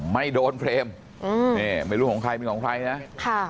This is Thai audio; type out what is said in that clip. ไม่โดนเฟรมไม่รู้ของใครเป็นของใครนะ